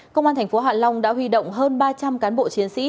công an thành phố hạ long đã huy động hơn ba trăm linh cán bộ chiến sĩ